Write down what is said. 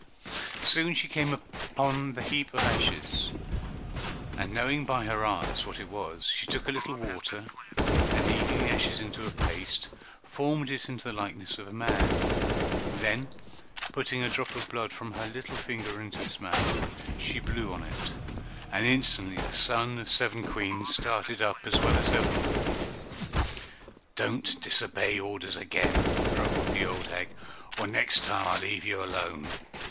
Soon she came to the heap of ashes, and knowing by her arts what it was, she took a little water, and kneading the ashes into a paste, formed it into the likeness of a man; then, putting a drop of blood from her little finger into its mouth, she blew on it, and instantly the son of seven Queens started up as well as ever. "Don't you disobey orders again!" grumbled the old hag, "or next time I'll leave you alone.